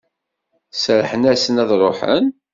Serrḥen-asen ad ruḥen?